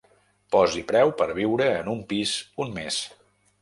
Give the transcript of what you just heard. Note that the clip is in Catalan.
Posi preu per viure en un pis un mes.